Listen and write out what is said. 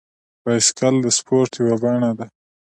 بایسکل د سپورت یوه بڼه ده.